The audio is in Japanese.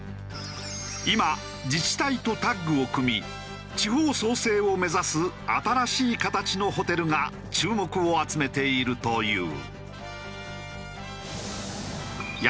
今自治体とタッグを組み地方創生を目指す新しい形のホテルが注目を集めているという。